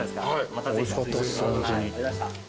またぜひ。ありがとうございました。